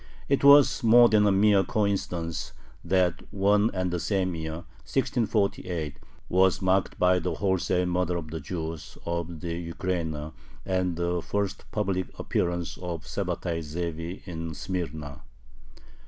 It was more than a mere coincidence that one and the same year, 1648, was marked by the wholesale murder of the Jews of the Ukraina and the first public appearance of Sabbatai Zevi in Smyrna.